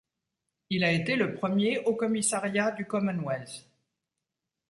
Il a été le premier haut-commissariat du Commonwealth.